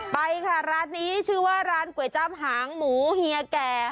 ไปค่ะร้านนี้ชื่อว่าร้านก๋วยจับหางหมูเฮียแก่